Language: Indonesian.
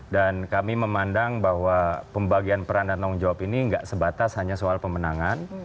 dan kami memandang bahwa pembagian peran dan tanggung jawab ini nggak sebatas hanya soal pemenangan